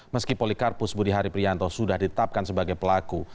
meski polikarpus budi hari prianto sudah ditapkan sebagai pelaku